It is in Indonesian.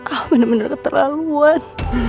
al benar benar keterlaluan